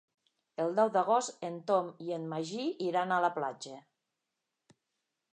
El deu d'agost en Tom i en Magí iran a la platja.